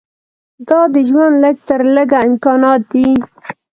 دا د ژوند لږ تر لږه امکانات دي.